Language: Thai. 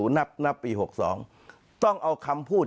นับปี๖๒ต้องเอาคำพูด